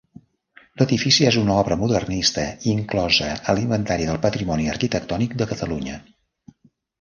L'edifici és una obra modernista inclosa a l'Inventari del Patrimoni Arquitectònic de Catalunya.